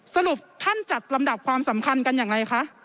สรุปท่านจัดลำดับความสำคัญกันอย่างไรคะ